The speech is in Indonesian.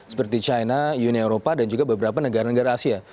seperti china uni eropa dan juga beberapa negara negara asia